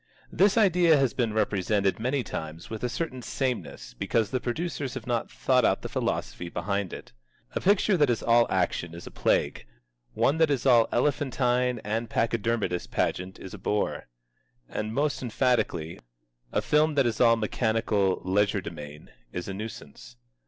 This idea has been represented many times with a certain sameness because the producers have not thought out the philosophy behind it. A picture that is all action is a plague, one that is all elephantine and pachydermatous pageant is a bore, and, most emphatically, a film that is all mechanical legerdemain is a nuisance.